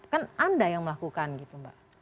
kan anda yang melakukan gitu mbak